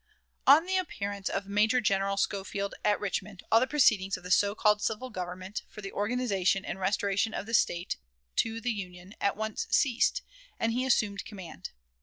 On the appearance of Major General Schofield at Richmond, all the proceedings of the so called civil government, for the organization and restoration of the State to the Union, at once ceased, and he assumed command.